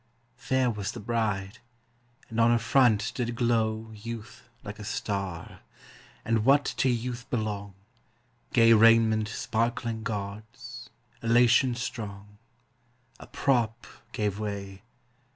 Fair was the bride, and on her front did glow Youth like a star; and what to youth belong, Gay raiment sparkling gauds, elation strong. A prop gave way!